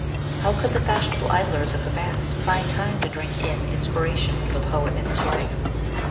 How could the fashion able idlers at the Baths find time to drink in inspira tion from the poet and his wife?